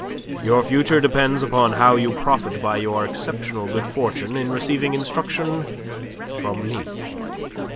Your future depends upon how you profit by your exceptional good fortune in receiving instruction from me."